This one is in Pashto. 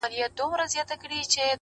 ناپای دردونه دي پر لار ورسره مل زه یم-